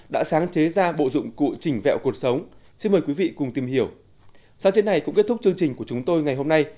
đã sáng chế ra bộ dụng cụ chỉnh vẹo cuộc sống